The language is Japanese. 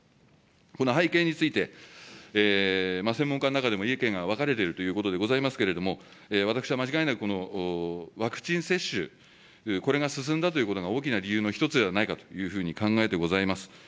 この背景について、専門家の中でも意見が分かれているということでございますけれども、私は間違いなくこのワクチン接種、これが進んだということが大きな理由の一つではないかというふうに考えてございます。